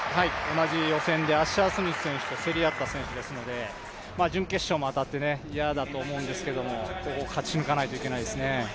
同じ予選でアッシャー・スミス選手と競った選手ですので準決勝も当たって嫌だと思いますが、ここ勝ち抜かないといけないですね。